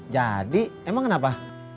jadi emang kenapa